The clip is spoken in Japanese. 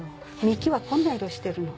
幹はこんな色してるの。